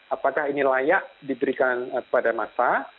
apakah ini layak diberikan kepada massa